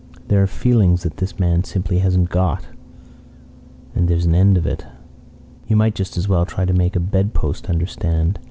There are feelings that this man simply hasn't got and there's an end of it. You might just as well try to make a bedpost understand.